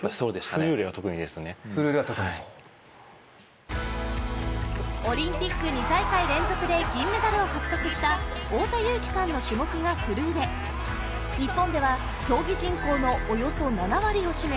フルーレは特にそうはいオリンピック２大会連続で銀メダルを獲得した太田雄貴さんの種目がフルーレ日本では競技人口のおよそ７割を占め